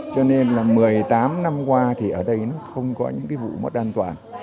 cho nên là một mươi tám năm qua thì ở đây nó không có những cái vụ mất an toàn